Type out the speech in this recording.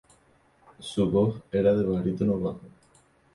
Su voz era de barítono bajo.